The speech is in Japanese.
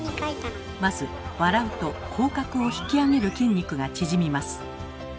まず笑うと口角を引き上げる筋肉が縮みます。